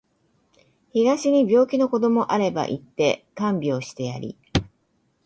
東に病気の子どもあれば行って看病してやり